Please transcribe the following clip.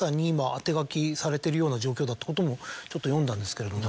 されてるような状況ってこともちょっと読んだんですけれども。